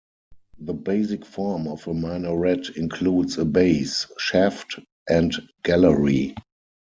The basic form of a minaret includes a base, shaft, and gallery.